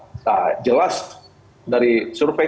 jelas dari survei ke survei itu tidak akan menjadi konfirmasi